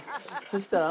そしたら。